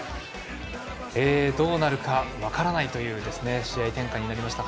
どうなるか、分からないという試合展開になりました。